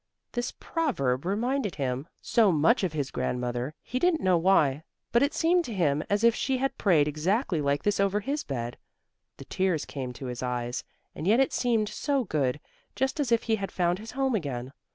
This proverb reminded him so much of his grandmother; he didn't know why, but it seemed to him as if she had prayed exactly like this over his bed. The tears came to his eyes, and yet it seemed so good, just as if he had found his home again.